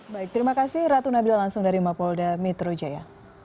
baik terima kasih ratu nabila langsung dari mapolda metro jaya